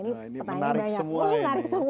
menarik semua ini